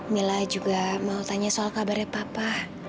mila juga mau tanya soal kabarnya papa